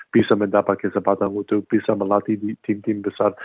bisa mendapatkan kesempatan untuk bisa melatih tim tim besar